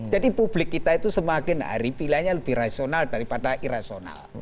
jadi publik kita itu semakin hari pilihannya lebih rasional daripada irasional